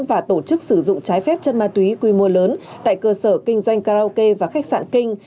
và tổ chức sử dụng trái phép chất ma túy quy mô lớn tại cơ sở kinh doanh karaoke và khách sạn kinh